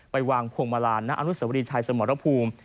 ไปวางภูมิมารานณอนุสวรีชายสมรภูมิ